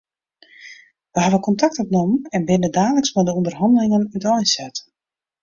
Wy hawwe kontakt opnommen en binne daliks mei de ûnderhannelingen úteinset.